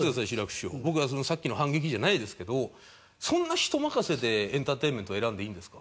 さっきの反撃じゃないですけどそんな人任せでエンターテインメントを選んでいいんですか？